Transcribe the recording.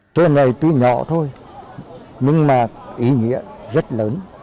chỗ này tuy nhỏ thôi nhưng mà ý nghĩa rất lớn